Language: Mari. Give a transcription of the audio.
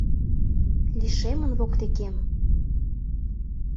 Лишемын воктекем